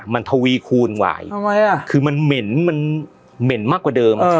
มันทวีคูณวายทำไมอ่ะคือมันเหม็นมันเหม็นมากกว่าเดิมเออ